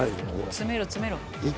詰めろ詰めろ。